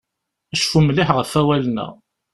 Cfu mliḥ ɣef awalen-a.